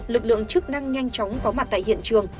lực lượng chức năng nhanh chóng có mặt tại hiện trường